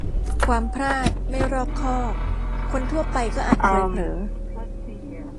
ความพลาด-ไม่รอบคอบ คนทั่วไปก็อาจเคยเผลอ